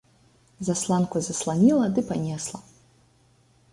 Засланку засланіла ды панесла.